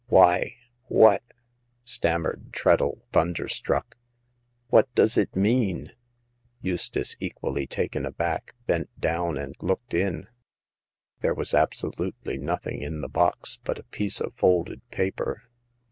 " Why— what," stammered Treadle, thunder struck —" what does it mean ?" Eustace, equally taken aback, bent down and looked in. There was absolutely nothing in the box but a piece of folded paper.